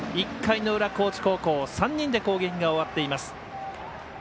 １回の裏、高知高校３人で攻撃が終わっています。